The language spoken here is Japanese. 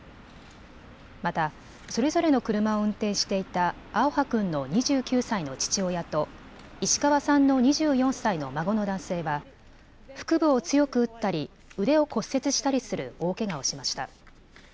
また、それぞれの車を運転していた青遥君の２９歳の父親と石川さんの２４歳の孫の男性は腹部を強く打ったり腕を骨折したりする大けがをしました。